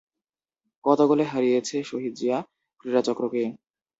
কত গোলে হারিয়েছে শহীদ জিয়া ক্রীড়া চক্রকে?